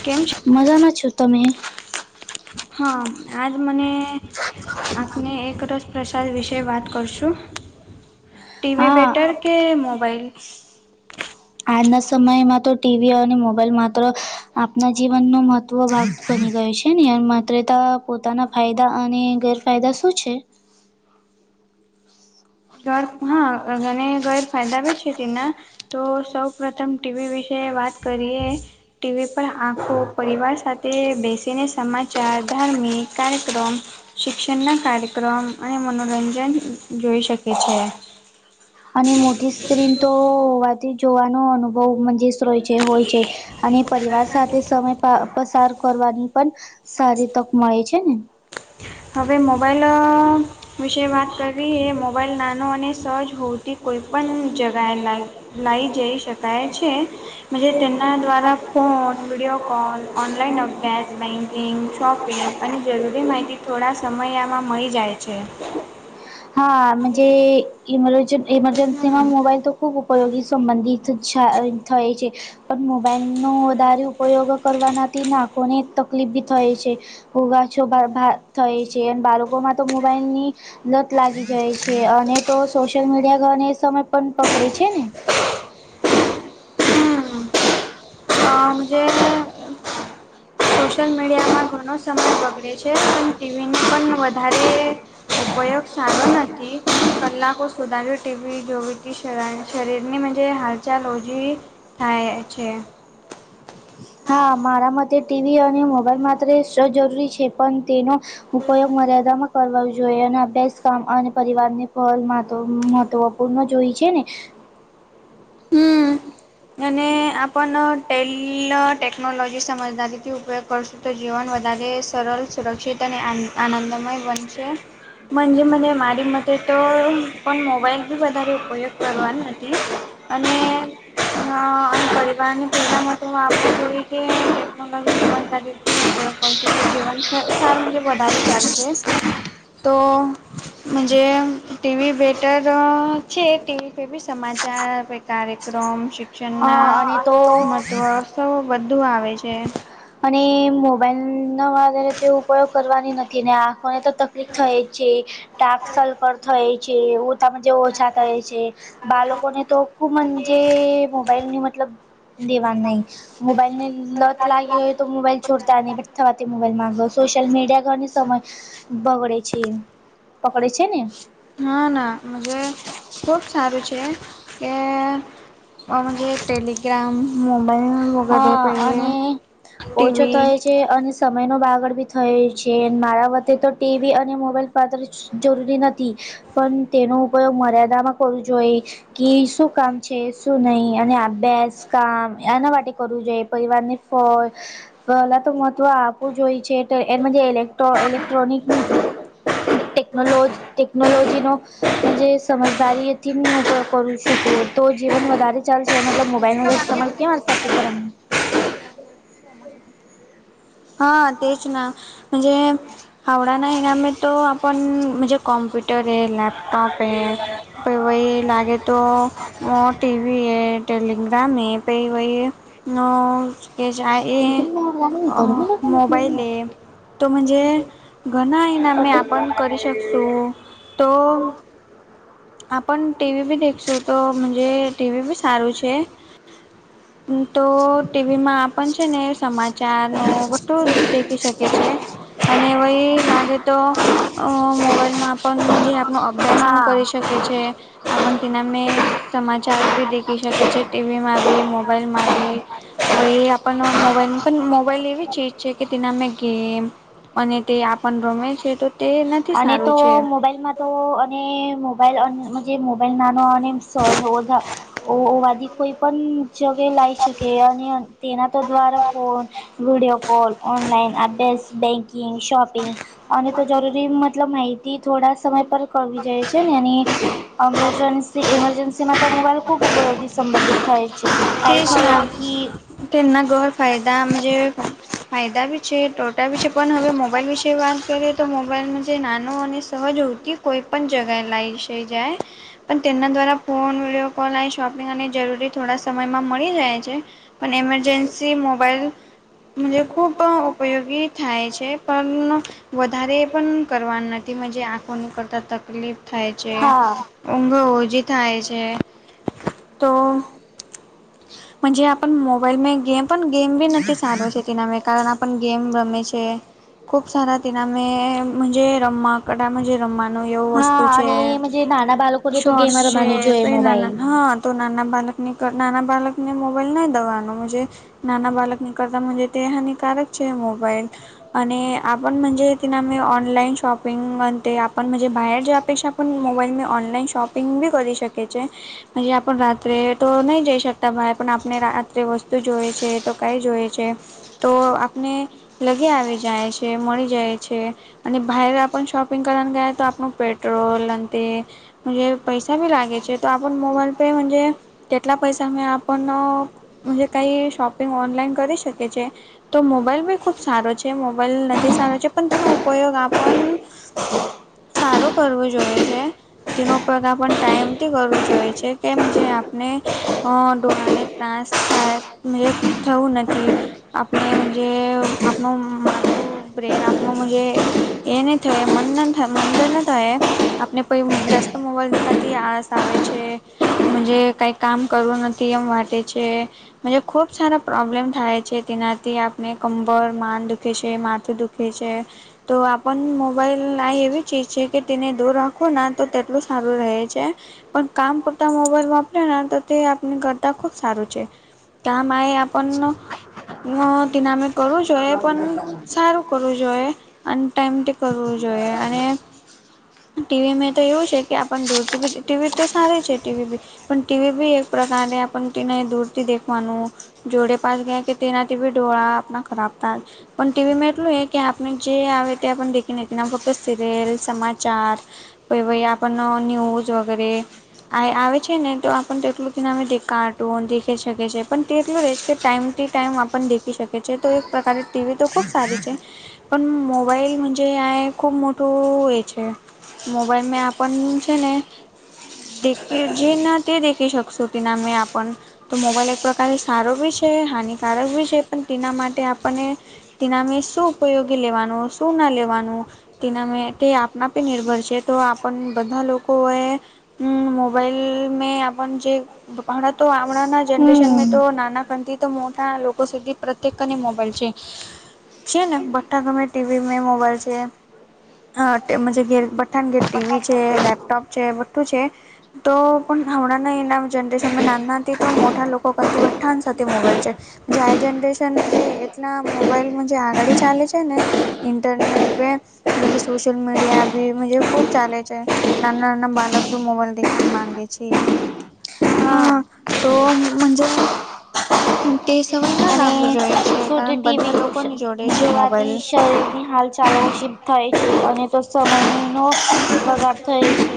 કેમ છો? મજામાં છો તમે? હા આજ મને આપને એક રસ પ્રસાદ વિશે વાત કરશું ટીવી હા બેટર કે મોબાઈલ આજના સમયમાં તો ટીવી અને મોબાઈલ માત્ર આપના જીવનનો મહત્વ ભાગ બની ગયો છે ને માત્રતા પોતાના ફાયદા અને ગેરફાયદા શું છે? ઘર હા અને ગેરફાયદા બી છે તેના તો સૌ પ્રથમ ટીવી વિશે વાત કરીએ ટીવી પણ આંખો પરિવાર સાથે બેસીને સમાચાર ધાર્મિક કાર્યક્રમ શિક્ષણ ના કાર્યક્રમ અને મનોરંજન જોઈ શક કે છે. તે જોવાનો અનુભવ મનજે સરોય છે હોય છે અને પરિવાર સાથે સમય પ પસાર કરવાની પણ સારી તક મળે છે ને હવે મોબાઈલ અહ વિશે વાત કરવી એ મોબાઈલ નાનો અને સહજ ભૌતિક કોઈપણ જગ્યાએ લાઈ લઈ જઈ શકાય છે મહનજે તેના દ્વારા ફોન વિડીયો કોલ ઓનલાઈન અભ્યાસ બેન્કિંગ શોપિંગ અને જરૂરી માહિતી થો થોડા સમયમાં મળી જાય છે હા મહનજે ઇમર હમ ઇમર્જન્સીમાં મોબાઈલ તો ખૂબ ઉપયોગી સંબંધિત [unintelligible] થાય છે પણ મોબાઈલ નો વધારે ઉપયોગ કરવાનાથી નાકોને તકલીફ બી થાય છે ઉગાછો બરબાદ થાય છે અને બાળકો માં તો મોબાઈલની લત લાગી જાય છે અને તો સોશિયલ મીડિયા ઘને એ સમય પણ પકડે છે ને હમ [unintelligible] સોશિયલ મીડિયામાં ઘણો સમય બગડે છે પણ ટીવીને પણ વધારે ઉપયોગ સારો નથી કલાકો સુધાર ટીવી જોવીતી શ શરીરની મજે હાલચાલ ઓજી થાય છે. હા મારા મતે ટીવી અને મોબાઈલ માત્ર સ જરૂરી છે પણ તેનો ઉપયોગ મર્યાદામાં કરવા જોઈએ અને અભ્યાસ કામ અને પરિવારને [unintelligible] પૂર્ણ જોઈ છે ને હમ અને આપ ટેલ ટેકનોલોજી સમજદારીથી ઉપયોગ કરશું તો જીવન વધારે સરળ સુરક્ષિત અને આનં આનંદમય બનશે મજે મને મારી મતે તો પણ મોબાઈલ બી વધારે ઉપયોગ કરવા નથી અને અને પરિવારની પહેલા તો આપ જોય કે ટેકનોલોજી [unintelligible] [unintelligible] જીવનાર વધારે ચાલશે તો મજે ટીવી બેટર છે ટીવી પે બી સમાચાર પે કાર્યક્રમ શિક્ષણ ના હા અને તો મહત્વ સૌ બધુઆવે છે. અને મોબાઈલ ન વધારે તે ઉપયોગ કરવાની નથી ને આંખોને તો તકલીફ થાય જ છે. ડાકૅ સકૅલ થાય છે ઉતામાં જે ઓછા થાય છે બાલકોને તો હું મજે મોબાઈલ ની મતલબ લેવા ન મોબાઈલને લત લાગે મોબાઈલ છોડતા નહી થવાથી મોબાઈલ માંગો સોશિલ મીડિયા ઘવા સમય બગડે છે પકડે છે ને હા ના મજે ખુબ સારું છે કે મ ટેલીગ્રામ મોબાઈલ વગેરે પે હા અને ઓછો તો ટીવી એ છે. અને સમય નો બાગળ બી થયો છે મારા વતે તો ટીવી અને મોબાઈલ પાત્ર જરૂરી નથી પણ તેનો ઉપયોગ મર્યાદામાં કરવો જોઈ કે શું કામ છે શું નહી અને અભ્યાસ કામ એના માટે કરવું જોઈ પરિવારને ફોન પલા તો મહત્વ આપવું જોય છે ઇલેક્ટ્રોનિક ટેકનોલો ટેકનોલોજી નો જે સમજદારી તી, હું ઉપયોગ કરી શકું તો જીવન વધારે ચાલે છે મતલબ મોબાઈલ વગર [unintelligible] [unintelligible] હા, તે જ ને જે હાંડવાના ઈનામે તો આપ મ કમ્પ્યુટર લેપ લેપટોપ હે, પણ એમાં લાગે તો [unintelligible] ટીવી હે ટેલિગ્રામ એ પણ વાપરે કે [unintelligible] જાય એ દીકરી ના લાગે અ મોબાઈલ ધર્મ હે તો મજે ઘણાં ઈનામ આપણે કરી શકીશું તો આપણે ટીવી પણ દેખશું તો મજે ટીવી બી સારું છે. તો ટીવીમાં આપણે છે ને, સમાચાર વધુ જોઈ શકે છે. અને વહી લાગે તો અ મોબાઈલમાં પણ જે આપનો અભ્યાસ હું હા કરીશ. શકે છે. આપણે તેમાં સમાચાર બી દેખી શકે છે, ટીવીમાં બી મોબાઈલમાં બી હા, એ આપણને મોબાઈલ પણ, મોબાઈલ એવી ચીજ છે કે, તેમાં અમે ગેમ અને તે આપણે રમીએ છીએ, તો તે નથી અને તો સારું છે. મોબાઈલમાં તો અને મોબાઈલમાં મોબાઈલ નાનો અને સગવડ હોવા કોઈ પણ જગ્યાએ લઈ શકે અને તેના દ્વારા ફોન, વીડિયો કોલ, ઓનલાઈન અભ્યાસ, બેંકિંગ, શોપિંગ અને તો જરૂરી મતલબ માહિતી થોડા સમયમાં મેળવી શકાય છે ને, ઇમરજન્સીમાં તો મોબાઈલ ખૂબ ઉપયોગી સાબિત થાય છે. કાંઈ થયો કે તેના ઘણા ફાયદા છે. ફાયદા પણ છે, નુકસાન પણ છે. પણ હવે મોબાઈલ વિશે વાત કરીએ તો મોબાઈલમાં જે નાનો અને સહજ હોય છે. કોઈપણ જગ્યાએ લઈ જઈ શકાય. પણ તેના દ્વારા ફોન, વીડિયો કોલ અને શોપિંગ અને જરૂરી થોડું સમયમાં મળી જાય છે પણ, ઇમરજન્સીમાં મોબાઈલ જે ખૂબ ઉપયોગી થાય છે, પણ વધારે એ પણ કરવાનું નથી, જે આંખોની કરતાં તકલીફ થાય છે, હા ઊંઘ ઓછી થાય છે, તો જો મોબાઈલમાં ગેમ પણ, ગેમ પણ નથી સારું. નહીં, કારણ કે ગેમ રમે છે. ખૂબ સારી રીતે રમે છે, નામે જ રમવા એવું વસ્તુ હા છે, અને મજે નાના બાળકોને તો ગેમ શોર્ટ્સ છે, રમવાની જોઈએ એ મોબાઈલ. હા. તો, નાના બાળકને મોબાઈલ નહીં આપવાનો, મોજે નાના બાળકને તો એ હાનિકારક છે, મોબાઈલ. અને આપણે તેમાં ઓનલાઈન શોપિંગ અને આપણે બહાર જવાના પૈસા પણ મોબાઈલની ઓનલાઈન શોપિંગ પણ કરી શકે છે, જે આપણે ઘરે તો નહીં જઈ શકતા ભાઈ પણ, આપણે રાત્રે વસ્તુ જોઈએ છે, તો કંઈ જોઈએ છે? તો આપણને લઈ આવી જાય છે, મળી જાય છે. અને બહાર આપણે શોપિંગ કરવા ગયા તો આપણું પેટ્રોલ અને તે જે પૈસા પણ લાગે છે, તો આપણે મોબાઈલ પર કેટલા પૈસામાં આપણે કંઈ શોપિંગ ઓનલાઈન કરી શકીએ છીએ? તો મોબાઈલ પણ ખૂબ સારો છે, મોબાઈલ નથી સારો છે, પણ તેનો ઉપયોગ આપણે સારું કરવું જોઈએ છે. તેનો ઉપયોગ ટાઈમથી કરવો જોઈએ છે, કેમ કે ને આંખોને ત્રાસ થવો નથી. આપણે મગજ, આપણું બ્રેન, આપણું મગજ એના કારણે મનમાં થાય, આપણે કોઈ જાસ્ત મોબાઈલમાંથી આસક્તિ આવે છે. જે કંઈ કામ કરવું નથી, એમ લાગે છે. મ ખુબ સારા પ્રોબ્લેમ થાય છે, તેનાથી આપણે કંમર માથું દુખે છે, માથું દુખે પી છે. તો આપણ મોબાઈલ આ એવી ચીજ છે કે, તેને દૂર રાખો ને તો તેટલું સારું રહે છે. પણ, કામ કરતા મોબાઈલમાં તો તે આપને કરતા ખુબ સારું છે, કામ એ આપણ હ, તે નામે કરું જોઈએ પણ, સારું કરવું જોઈએ. અને ટાઈમ તે કરવું જોઈએ અને ટીવી મે તો એવું છે કે, આપ દૂર ટીવી તો સારી છે, ટીવી બી પણ ટીવી ભી એક પ્રકારારે આપ ટ દૂરથી દેખવાનું જોડે પાસ ગયા કે, તેનાથીવી ડોળા આપણા ખરાબ થ પણ ટીવીમાં એટલું એ કે આપણે જે આવે તે દેખી નથી, નામ ફક્ત સિરિયલ, સમાચાર. પ વ આપ ન્યૂઝ વગેરે આ આવે. છે ને, તો આપ તો એટલું કે નામે દેખાટું દેખી શકે છે, પણ તે એટું ર રહે છે, કે ટાઈમ ટુ ટાઈમ આપણ દેખી શકેએ. તો એક પ્રકારે ટીવી તો ખુબ સારી છે. પણ મોબાઈલજે આ ખૂબ મોટું હો છે. મોબાઈલ મે આપણ છે ને, દે જેી ના તે દેખી શકશો, ત ના મે આપ. તો મોબાઈલ એક પ્રકારે સારો બી છે, હાનિકારક ભી છે, પણ તેના માટે આપણને તેના અમે શું ઉપયોગી લેવાનું? શું ના લેવાનું? તેના તે આપનાપે નિર્ભર છે, તો આપણ બધા લોકો એ મો મોબાઈલ મે જેણા તો આવણા ના જેનરેશન તો હમ્મ. ના. પરંત તો મોટા લોકો સુધી પ્રત્યેકની મોબાઈલ છે. છીએ ને, ભઠકમાં ટીવીમાં મોબાઈલ છે. અ ઘેર બઠાને, ઘેર ટીવી છે, લેપટોપ છે, બધું છે. તો પણ હમણાં એના જનરેશનમાં નાના હતી, તો મોટા લોકો કરતી બ ઠાન્સ હતી, મોબાઈલ છે. જનરેશન જે એટલા મોબાઈલમાં જે આગળ ચાલે છે ને, ઇન્ટરનેટ. સોશિલ મીડિયા બી ખૂબ ચાલે છે, નાના-નાના બાલક મો માગે છે, હા. તો મજે. તે સમયમાં અને સુધ ટીવી જોડે છે જોવાથી મોબાઈલ. શરીરની હાલ ચાલુ થાય છે, અને તો સમયનો બગાડ થાય છે.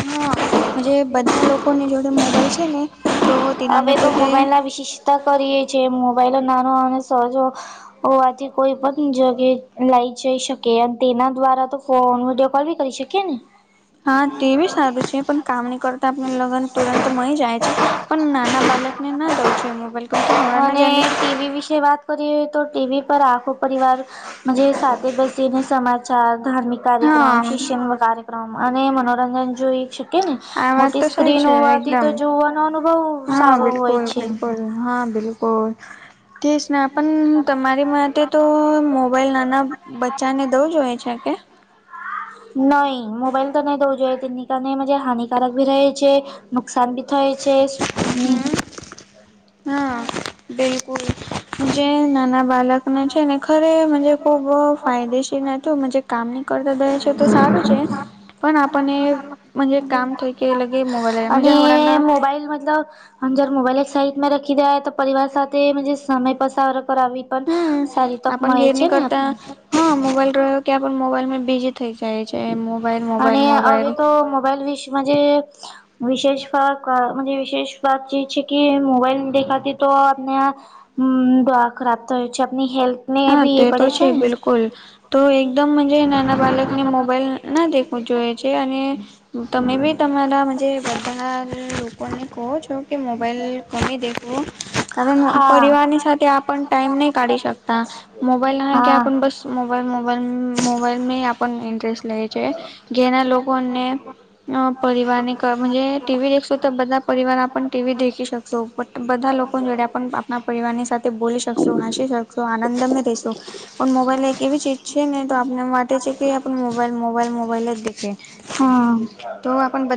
હા, જે બધા લોકોની જોડે મોબાઈલ છે ને, તો તેના મે હવે તો પોતે મોબાઈલના વિશિષ કરીએ છી, મોબાઈલો નાનો અને સહજો હોવાથી કોઈ પણ જગ્યા લઈ જઈ શકે, અને તેના દ્વારા તો ફોન વિડીયો કોલ બી કરી શકીએ ને. હા, તે બી સારું છે, પણ કામ ન કરતા આપને લગ્ન તુરંત મળી જાય છે. પણ નાના બાળકને ના દઉં છું, એ મોબાઈલ કમ કે હમણાંં જનરેશન એવી વિશે વાત કરી તો, ટીવી પર આખો પરિવાર સાથે બેસીને સમાચાર, ધાર્મિક હા કાર્યક્રમ, શિક્ષણ કાર્યક્રમ અને મનોરંજન જોઈ કે ને આ વાત મોટી તો સહી સ્ક્રીન છે હોવાથી એકદમ તો, જોવાનો અનુભવ હા, સારો હોય બિલકુલ, છે. બિલકુલ, હા બિલકુલ. તેસ ના પણ તમારી માટે તો મોબાઈલ નાના બચ્ચાને દવું જો હોએ છે. ત કે [unintelligible] નહી મોબાઈલ તો નહી દઉ જો, તે નની ક નજ હાનિકારક ભી રહે છે. નુકસાન બી થાય છે. હમ હા, બિલકુલ. જે નાના બાળક ના છે ને, ખરે ખુબ ફાયદેશીલ હતું. કામ નની કરતા દે છે, તો સારું છે. પણ આપણ ને કામ થ કે, લગે મોબાઈલ હ. અને જર મોબાઈલ એક સાઈડ માં રાખી દેાય તો, પરિવાર સાથે સમય પસાર કરાવી પણ હમ, સારી તક આપ મળે છે ઘેરણી ને કરતા. આપને હા, મોબાઈલ રહ્યો કે આપ મોબાઈલ મે બીજી અને હવે તો મોબાઈલ વિષે માં જે વિશેષ [unintelligible] વિશેષ વાત જે છે કે મોબાઈલ ની આતી તો આપને ઉમ્મ ડોળા ખરાબ થાય છે આપની હેલ્થ ને હા બી તે એ તો પડે છે ને બિલકુલ તો એકદમ મહનજે નાના બાલક ને મોબાઈલ ના દેખવુ જોઈએ છે અને તમે બી તમારા મહનજે બધા લોકોને કહો છો કે મોબાઈલ કમી દેખવો કારણ હા પરિવારની સાથે આપણ ટાઈમ નહી કાઢી શક તા મોબાઈલ લગાકે હા આપણ બસ મોબાઈલ મોબાઈલ મોબાઈલ મે આપણ ઇન્ટ્રેસ્ટ લેે છે ઘેર ના લોકોને અહ પરિવાર ની ક મહનજે ટીવી દેખશું તો બધા પરિવાર આપણ ને ટી વી દેખી શકશો બધ બધા લોકો જોડે પણ આપણા પરિવારની સાથે બોલી શકશો હસી શક સોં આનંદમે રેશો પણ મોબાઈલ એક એવી ચીજ છે ને તો આપને વાટે છે કે આપણ મોબાઈલ મોબાઈલ મોબાઈલ જ દેખે તો હા આપણ